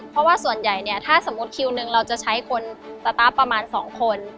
เพราะว่าส่วนใหญ่เนี่ยถ้าสมมุติคิวหนึ่งเราจะใช้คนสตาร์ฟประมาณ๒คน